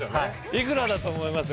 いくらだと思います？